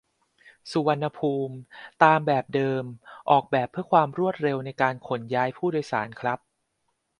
สุวรรณภูมิ ตามแบบเดิมออกแบบเพื่อความรวดเร็วในการขนย้ายผู้โดยสารครับ